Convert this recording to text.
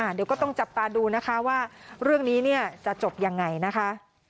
เดี๋ยวก็ต้องจับตาดูนะคะว่าเรื่องนี้เนี่ยจะจบยังไงนะคะ